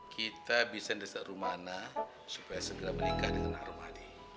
kita bisa ngesek rumah anak supaya segera menikah dengan arwah adik